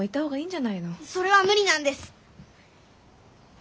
それは無理なんです。